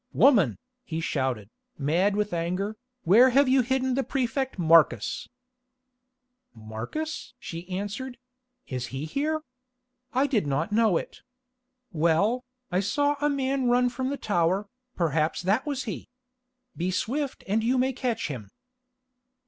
"Woman," he shouted, mad with anger, "where have you hidden the Prefect Marcus?" "Marcus?" she answered; "is he here? I did not know it. Well, I saw a man run from the tower, perhaps that was he. Be swift and you may catch him."